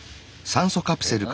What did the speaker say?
酸素カプセル？